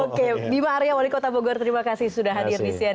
oke bima arya wali kota bogor terima kasih sudah hadir di cnn